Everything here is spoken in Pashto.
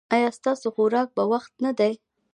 ایا ستاسو خوراک په وخت نه دی؟